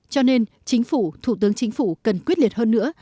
cho nên chính phủ thủ tướng chính phủ cần quyết liệt hơn nữa